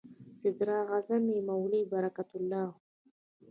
صدراعظم یې مولوي برکت الله و.